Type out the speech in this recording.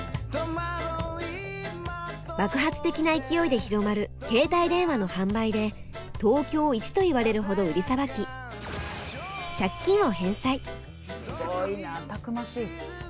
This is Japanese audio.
爆発的な勢いで広まる携帯電話の販売で東京イチといわれるほど売りさばきすごいなたくましい。